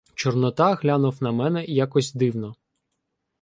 Чорнота глянув на мене якось дивно.